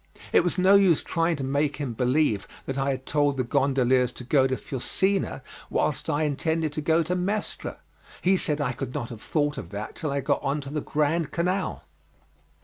It was no use trying to make him believe that I had told the gondoliers to go to Fusina whilst I intended to go to Mestre; he said I could not have thought of that till I got on to the Grand Canal.